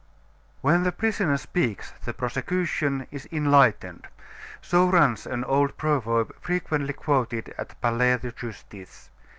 "When the prisoner speaks, the prosecution is enlightened," so runs an old proverb frequently quoted at the Palais de Justice.